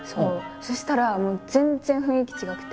そしたら全然雰囲気違くて。